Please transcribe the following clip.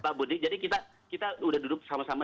pak budi jadi kita sudah duduk sama sama